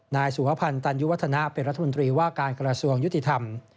นายสุวพันธ์ตันยุวัฒนะเป็นรัฐมนตรีว่าการกระทรวงยุติธรรม